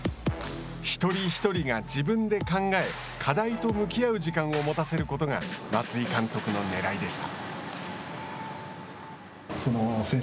一人一人が自分で考え課題と向き合う時間を持たせることが松井監督のねらいでした。